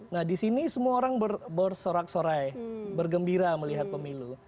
nah di sini semua orang bersorak sorai bergembira melihat pemilu